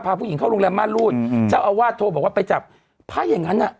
พาผู้หญิงเข้าโรงแรมม่านรูดอืมเจ้าอาวาสโทรบอกว่าไปจับถ้าอย่างงั้นอ่ะ